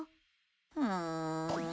うん。